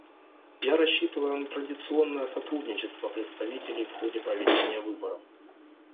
Я рассчитываю на традиционное сотрудничество представителей в ходе проведения выборов.